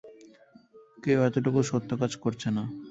কেউ এতটুকু সত্যকাজ করছে না!